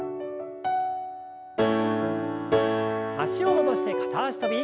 脚を戻して片脚跳び。